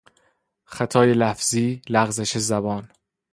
خطای لفظی، لغزش زبان